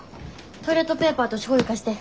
トイレットペーパーとしょうゆ貸して。